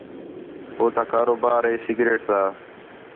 ہو تا کاروبار ہے سگریٹ تا